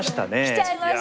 きちゃいました。